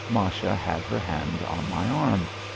Masha had her hand on my arm.